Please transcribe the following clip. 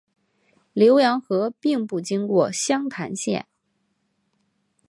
浏阳河并不经过湘潭县。